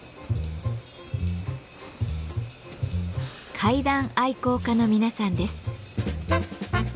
階段愛好家の皆さんです。